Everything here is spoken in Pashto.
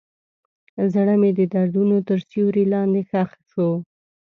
زړه مې د دردونو تر سیوري لاندې ښخ شو.